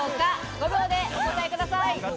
５秒でお答えください。